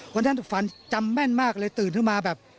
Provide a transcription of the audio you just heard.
คุณท่านศุภัณฑ์จำแม่นมากเลยตื่นขึ้นมาแบบ